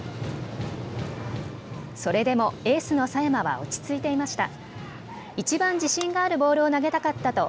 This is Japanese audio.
それでもエースの佐山は落ち着いていました。